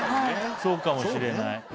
そうかもしれない。